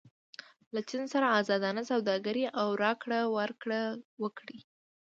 له چین سره ازادانه سوداګري او راکړه ورکړه وکړئ.